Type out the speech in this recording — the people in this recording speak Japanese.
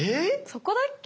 そこだっけ？